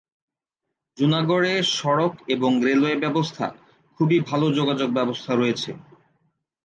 জুনাগড় এ সড়ক এবং রেলওয়ে ব্যবস্থা খুবই ভাল যোগাযোগ ব্যবস্থা রয়েছে।